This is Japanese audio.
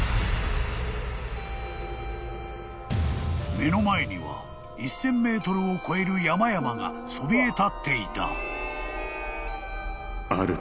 ［目の前には１，０００ｍを超える山々がそびえ立っていた］